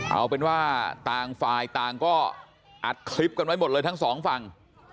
เอาเป็นว่าต่างฝ่ายต่างก็อัดคลิปกันไว้หมดเลยทั้งสองฝั่ง